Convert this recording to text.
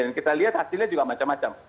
dan kita lihat hasilnya juga macam macam